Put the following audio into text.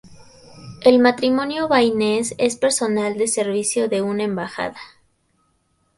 El matrimonio Baines es personal de servicio de una embajada.